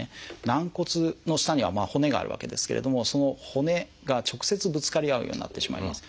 軟骨の下には骨があるわけですけれどもその骨が直接ぶつかり合うようになってしまいます。